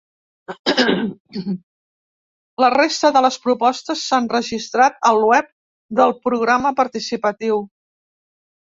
La resta de les propostes s’han registrat al web del programa participatiu.